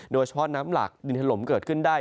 โดยเฉพาะน้ำหลากดินถลมเกิดขึ้นได้